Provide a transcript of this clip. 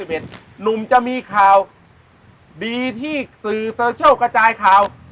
หนุ่มจะมีข่าวดีที่สื่อโซเชียลกระจายข่าว